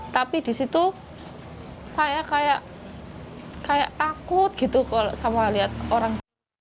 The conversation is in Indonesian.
tapi disitu saya kayak kayak takut gitu sama liat orang